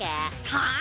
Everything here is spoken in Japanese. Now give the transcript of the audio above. はあ⁉